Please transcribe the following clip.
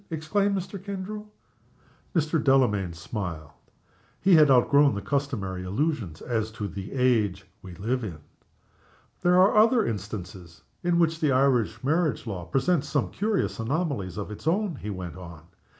exclaimed Mr. Kendrew. Mr. Delamayn smiled. He had outgrown the customary illusions as to the age we live in. "There are other instances in which the Irish marriage law presents some curious anomalies of its own," he went on.